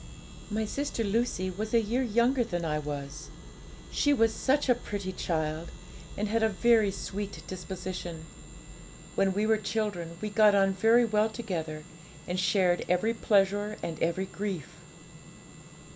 'My sister Lucy was a year younger than I was. She was such a pretty child, and had a very sweet disposition. When we were children we got on very well together, and shared every pleasure and every grief.